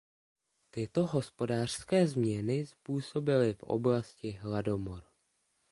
Tyto hospodářské změny způsobily v oblasti hladomor.